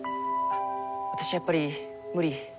私やっぱり無理。